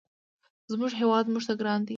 زموږ هېواد موږ ته ګران دی.